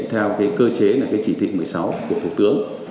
theo cơ chế chỉ thị một mươi sáu của thủ tướng